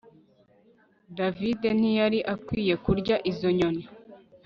David ntiyari akwiye kurya izo nyoni